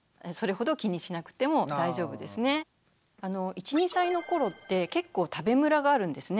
１２歳の頃って結構食べむらがあるんですね。